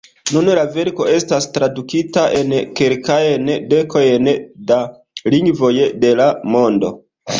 Nun la verko estas tradukita en kelkajn dekojn da lingvoj de la mondo.